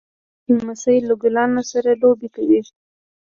لمسی له ګلانو سره لوبې کوي.